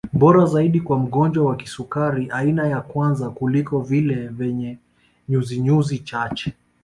Bora zaidi kwa mgonjwa wa kisukari aina ya kwanza kuliko vile vyenye nyuzinyuzi chache